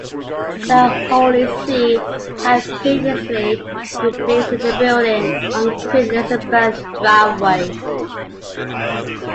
The Holy See had previously been based in a building on Queen Elizabeth Driveway.